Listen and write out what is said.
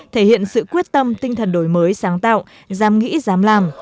thể hiện sự quyết tâm tinh thần đổi mới sáng tạo dám nghĩ dám làm